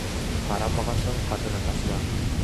Ҡарамағандың ҡатыны ташлар